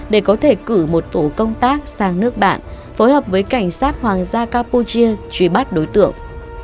để có thể cử một tổ công tác sang nước bạn phối hợp với cảnh sát hoàng gia campuchia truy bắt đối tượng